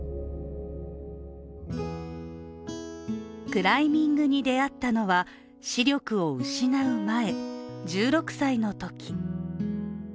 クライミングに出会ったのは視力を失う前、１６歳のとき。